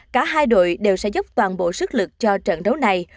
cả hai đội đều sẽ dốc toàn bộ sức lực cho trận đấu này